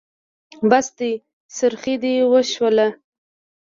بس دی؛ څرخی دې وشوله.